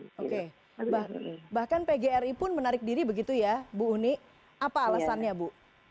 oke bahkan pgri pun menarik diri begitu ya bu uni apa alasannya bu